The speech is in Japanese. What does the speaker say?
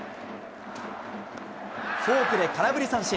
フォークで空振り三振。